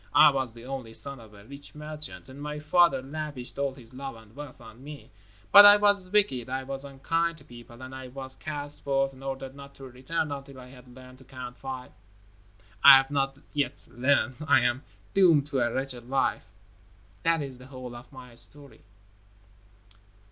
I was the only son of a rich merchant, and my father lavished all his love and wealth on me. But I was wicked. I was unkind to people, and I was cast forth and ordered not to return until I had learned to Count Five. I have not yet learned. I am doomed to a wretched life. That is the whole of my history."